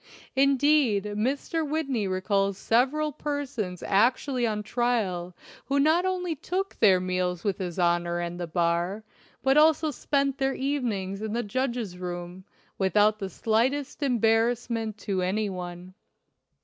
Indeed, Mr. Whitney recalls several persons actually on trial who not only took their meals with his Honor and the bar, but also spent their evenings in the judge's room, without the slightest embar rassment to any one.